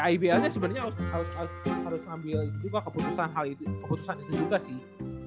ya ibl nya sebenernya harus ambil juga keputusan itu juga sih